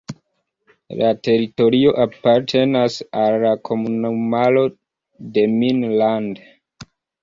La teritorio apartenas al la komunumaro "Demmin-Land".